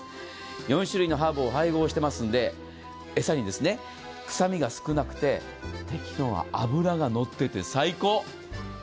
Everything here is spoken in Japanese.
４種類のハーブを餌に配合していますので、臭みが少なくて、適度な脂がのってて最高。